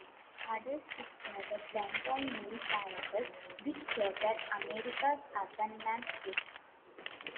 Hardest hit were the downtown movie palaces which dotted America’s urban landscapes.